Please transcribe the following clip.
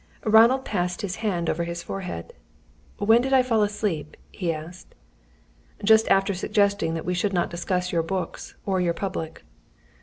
Ronald passed his hand over his forehead. "When did I fall asleep?" he asked. "Just after suggesting that we should not discuss your books or your public."